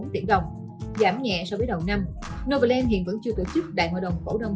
sáu một trăm chín mươi bốn tỷ đồng giảm nhẹ so với đầu năm novaland hiện vẫn chưa tổ chức đại hội đồng phổ đông